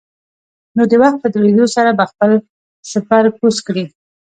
نو د وخت په تېرېدو سره به خپل سپر کوز کړي.